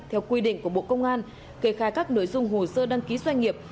theo quy định của bộ công an kê khai các nội dung hồ sơ đăng ký doanh nghiệp